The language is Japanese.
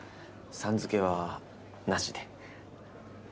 さん付けは、なしで。